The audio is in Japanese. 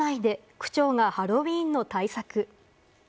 区長がハロウィーンの対策。